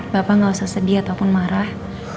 bapak nggak usah sedih ataupun marah